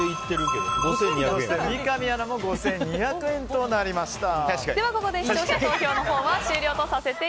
三上アナも５２００円となりました。